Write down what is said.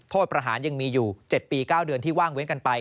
ประหารยังมีอยู่๗ปี๙เดือนที่ว่างเว้นกันไป